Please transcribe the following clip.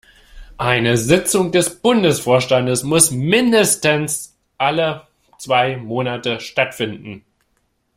Eine Sitzung des Bundesvorstandes muss mindestens alle zwei Monate stattfinden.